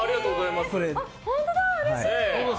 本当だ、うれしい！